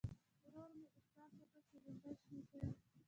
ورو ورو مې احساس وکړ چې غونډۍ شنې شوې.